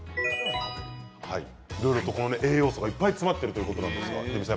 栄養素がいっぱい詰まっているということなんですが。